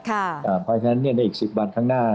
เพราะฉะนั้นในอีก๑๐วันข้างหน้า